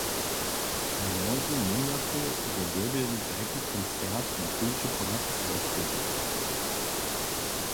Mnozy měnjachu, zo dyrbjeli tajki koncert na kóždy pad wospjetować.